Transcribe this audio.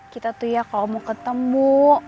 kita tuh ya kalau mau ketemu